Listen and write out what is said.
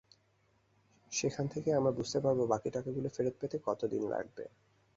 সেখান থেকেই আমরা বুঝতে পারব বাকি টাকাগুলো ফেরত পেতে কত দিন লাগবে।